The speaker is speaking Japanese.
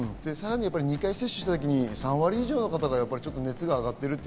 ２回接種した時に３割以上の人が熱が上がってる。